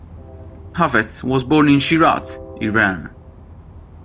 Hafez was born in Shiraz, Iran.